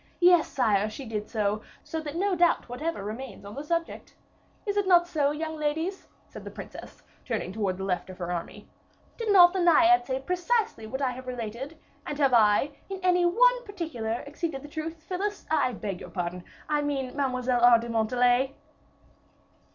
Yes, sire, she did so; so that no doubt whatever remains on the subject. Is it not so, young ladies?" said the princess, turning towards the left of her army; "did not the Naiad say precisely what I have related, and have I, in any one particular, exceeded the truth, Phyllis? I beg your pardon, I mean Mademoiselle Aure de Montalais?"